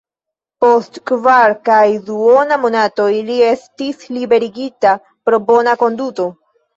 Post kvar kaj duona monatoj li estis liberigita pro bona konduto.